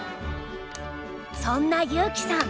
そんな悠生さん